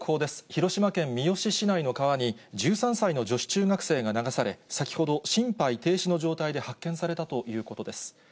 広島県三次市内の川に、１３歳の女子中学生が流され、先ほど心肺停止の状態で発見されたということです。